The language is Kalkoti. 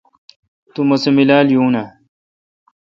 تو مہ سہ میلال یون اؘ۔